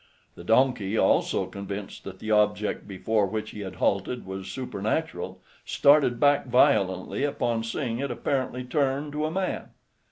The donkey, also convinced that the object before which he had halted was supernatural, started back violently upon seeing it apparently turn to a man.